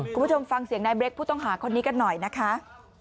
คุณผู้ชมฟังเสียงนายเบรคผู้ต้องหาคนนี้กันหน่อยนะคะ